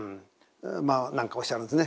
まあ何かおっしゃるんですね。